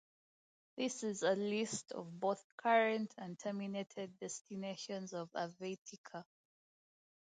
This is a list of both current and terminated destinations of Aviateca.